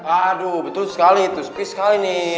aduh betul sekali tuh sepi sekali nih